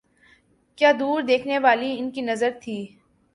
کیا دور دیکھنے والی ان کی نظر تھی۔